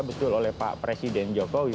betul oleh pak presiden jokowi